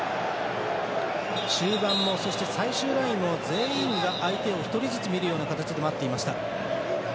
中盤も、最終ラインも全員が相手を１人ずつ見るような形で待っていました。